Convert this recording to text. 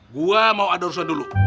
gua mau adorsan dulu